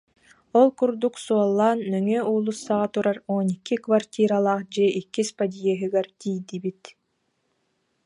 Ол курдук суоллаан нөҥүө уулуссаҕа турар уон икки квартиралаах дьиэ иккис подъеһыгар тиийдибит